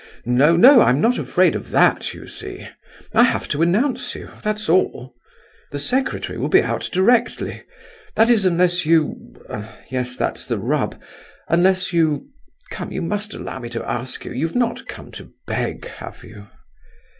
"H'm!—no, I'm not afraid of that, you see; I have to announce you, that's all. The secretary will be out directly—that is, unless you—yes, that's the rub—unless you—come, you must allow me to ask you—you've not come to beg, have you?"